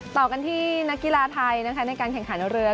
ต่อกันที่นักกีฬาไทยนะคะในการแข่งขันเรือ